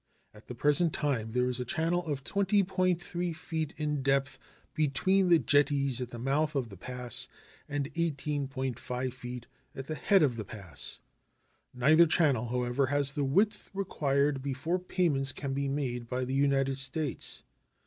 At the present time there is a channel of 20.3 feet in depth between the jetties at the mouth of the pass and 18.5 feet at the head of the pass. Neither channel, however, has the width required before payments can be made by the United States.